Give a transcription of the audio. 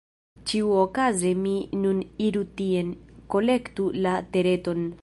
Ĉiuokaze mi nun iru tien, kolektu la Tereton…